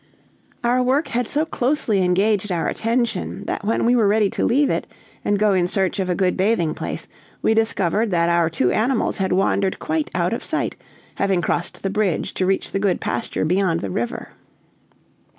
Our work had so closely engaged our attention, that when we were ready to leave it and go in search of a good bathing place, we discovered that our two animals had wandered quite out of sight, having crossed the bridge to reach the good pasture beyond the river.